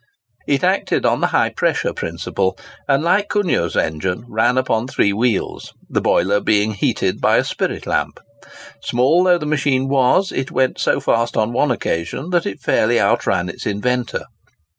It acted on the high pressure principle, and, like Cugnot's engine, ran upon three wheels, the boiler being heated by a spirit lamp. Small though the machine was, it went so fast on one occasion that it fairly outran its inventor.